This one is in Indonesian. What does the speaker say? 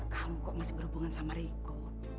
kamu kok masih berhubungan sama riko